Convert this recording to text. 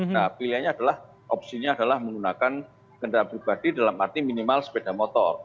nah pilihannya adalah opsinya adalah menggunakan kendaraan pribadi dalam arti minimal sepeda motor